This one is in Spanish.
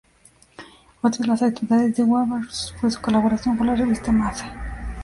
Otra de las actividades de Weaver fue su colaboración con la "revista Mad".